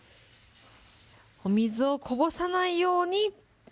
お水をこぼさないように。